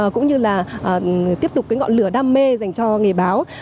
cũng như là tiếp tục cái ngọn lửa đam mê dành cho nghề báo